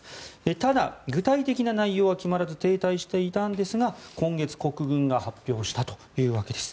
ただ、具体的な内容は決まらず停滞していたんですが今月、国軍が発表したというわけです。